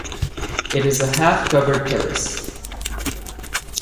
It is a half covered terrace.